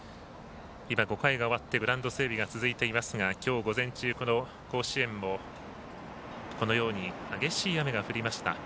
５回が終わってグラウンド整備が続いていますがきょう午前中、甲子園も激しい雨が降りました。